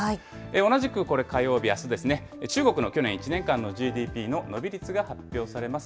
同じくこれ、火曜日、あすですね、中国の去年１年間のＧＤＰの伸び率が発表されます。